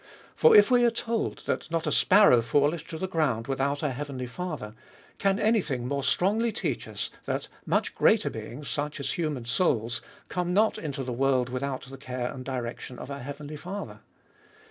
For if we are told, that not a sparroic fallet/i to the ground witJiout our heavenlj/ Fathei\ can any thing more' strongly teach us, that much greater beings, such as human souls, come not into the world without the care and direction of our heavenly Father?